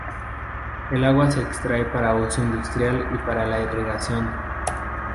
El agua se extrae para uso industrial y para la irrigación.